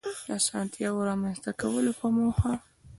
د آسانتیاوو رامنځته کولو په موخه